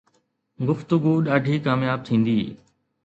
گفتگو ڏاڍي ڪامياب ٿيندي